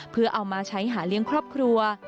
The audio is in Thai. เพื่อเอามาใช้หาเลี้ยงครอบครัว